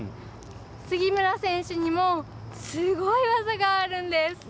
杉村選手にもすごい技があるんです。